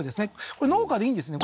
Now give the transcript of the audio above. これ農家でいいんですね？